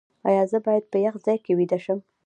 ایا زه باید په یخ ځای کې ویده شم؟